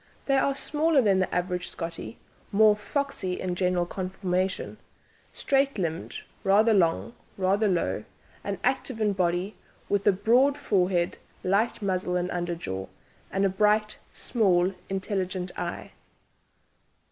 They are smaller than the average Scottie, more "foxy" in general conformation straight limbed, rather long, rather low, and active in body, with a broad forehead, light muzzle and underjaw, and a bright, small intelligent eye.